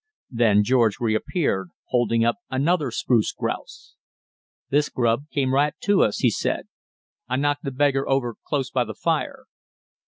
Then George reappeared, holding up another spruce grouse. "This grub came right to us," he said; "I knocked the beggar over close by the fire."